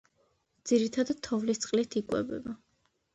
ძირითადად თოვლის წყლით იკვებება.